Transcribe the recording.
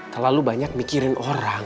terlalu banyak mikirin orang